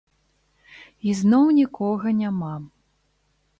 І зноў нікога няма.